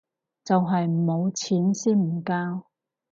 就係冇錢先唔交